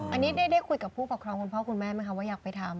อันนี้ได้คุยกับผู้ปกครองคุณพ่อคุณแม่ไหมคะว่าอยากไปทำ